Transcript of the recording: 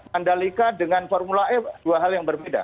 mandalika dengan formula e dua hal yang berbeda